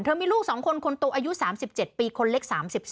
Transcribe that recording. เธอมีลูกสองคนคนโตอายุ๓๗ปีคนเล็ก๓๓